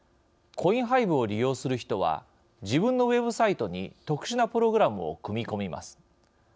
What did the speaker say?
コインハイブを利用する人は自分のウェブサイトに特殊なプログラムを組み込みます。